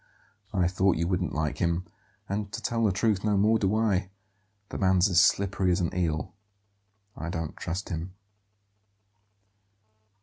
"I thought you wouldn't like him; and, to tell the truth, no more do I. The man's as slippery as an eel; I don't trust him."